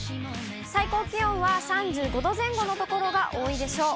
最高気温は３５度前後の所が多いでしょう。